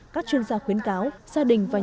các chuyên gia khuyến cáo gia đình và nhà đồng